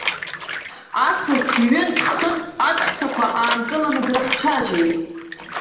Асас ҩынтә-хынтә аҵәцақәа аанкыланы дрыхцәажәеит.